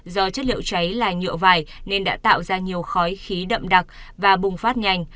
do chất liệu cháy là nhựa vải nên đã tạo ra nhiều khói khí đậm đặc và bùng phát nhanh